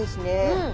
うん。